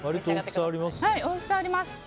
割と大きさありますね。